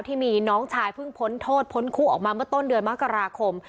ที่มีน้องชายเพิ่งพ้นโทษพ้นคู่ออกมาเมื่อต้นเดือนมกราคม